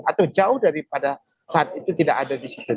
atau jauh daripada saat itu tidak ada di situ